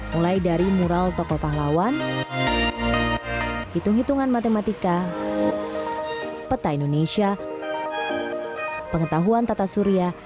mulai dari mural tokoh pahlawan hitung hitungan matematika peta indonesia pengetahuan tata surya